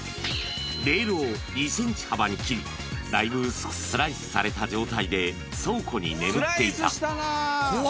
レールを２センチ幅に切り、だいぶ薄くスライスされた状態で倉庫に眠っていた。